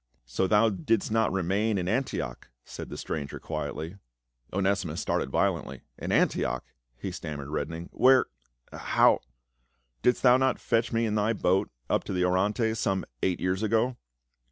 "So thou didst not remain in Antioch," said the stranger quietly. Onesimus started violently. "In Antioch?" he stammered reddening. "Where — how —"" Didst thou not fetch me in thy boat up the Orontes some eight years ago